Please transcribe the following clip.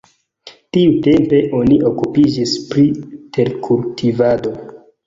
Tiutempe oni okupiĝis pri terkultivado.